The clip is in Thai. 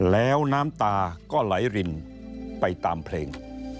แล้วน้ำตาก็ไหลรินไปตามเพลง